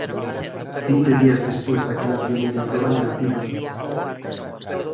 Vinte días despois daquela primeira proba negativa.